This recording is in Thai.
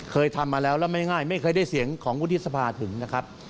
เคยทำมาแล้วแล้วไม่ง่ายไม่เคยได้เสียงของวุฒิสภาถึงนะครับ